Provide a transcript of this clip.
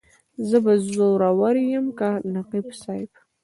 زه به زورور یم که نقیب صاحب.